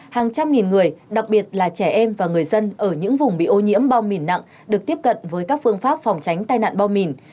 hàng trăm nghìn người đặc biệt là trẻ em và người dân ở những vùng bị ô nhiễm bom mìn nặng được tiếp cận với các phương pháp phòng tránh tai nạn bom mìn